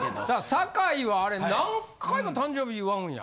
坂井はあれ何回も誕生日祝うんや？